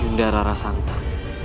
yunda rara santang